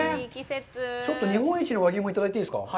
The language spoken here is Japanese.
ちょっと日本一の和牛もいただいていいですか？